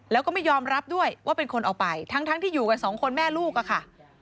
แล้วก็ไม่ยอมรับด้วยว่าเป็นคนเอาไปทั้งที่อยู่กันสองคนแม่ลูกอะค่ะ